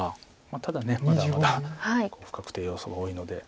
ただまだまだ不確定要素が多いので。